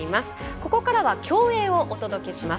ここからは競泳をお届けします。